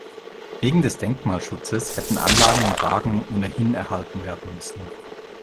Wegen des Denkmalschutzes hätten Anlagen und Wagen ohnehin erhalten werden müssen.